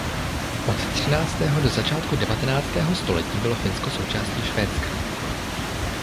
Od třináctého do začátku devatenáctého století bylo Finsko součástí Švédska.